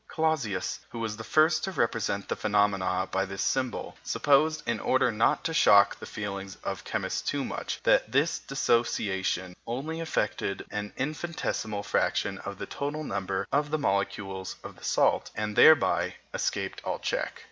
Clausius, who was the first to represent the phenomena by this symbol, supposed, in order not to shock the feelings of chemists too much, that this dissociation only affected an infinitesimal fraction of the total number of the molecules of the salt, and thereby escaped all check.